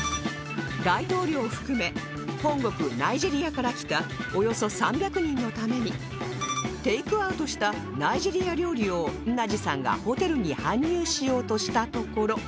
大統領含め本国ナイジェリアから来たおよそ３００人のためにテイクアウトしたナイジェリア料理をンナジさんがホテルに搬入しようとしたところ